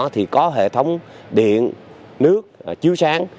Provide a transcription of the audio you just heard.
thì có hệ thống điện nước chiếu sáng